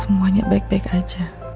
semuanya baik baik saja